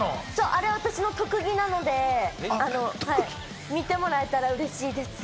あれ、私の特技なので見てもらえたら嬉しいです。